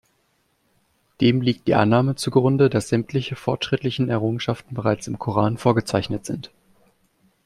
Dem liegt die Annahme zugrunde, dass sämtliche fortschrittlichen Errungenschaften bereits im Koran vorgezeichnet sind.